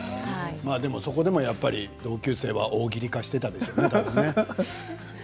そこでもやっぱり同級生は大喜利化していたでしょうねたぶんね。